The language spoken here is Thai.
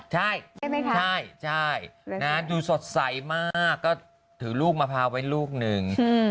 ใช่ใช่ดูสดใสมากก็ถือลูกมะพร้าวไว้ลูกนึง